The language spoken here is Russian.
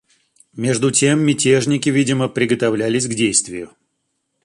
Между тем мятежники, видимо, приготовлялись к действию.